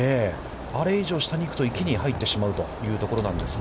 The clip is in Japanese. あれ以上、下に行くと池に入ってしまうというところなんですが。